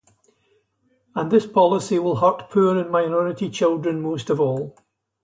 And this policy will hurt poor and minority children most of all.